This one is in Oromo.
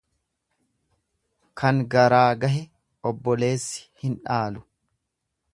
Kan garaa gahe obboleessi hin dhaalu.